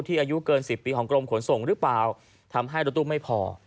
อายุเกิน๑๐ปีของกรมขนส่งหรือเปล่าทำให้รถตู้ไม่พอ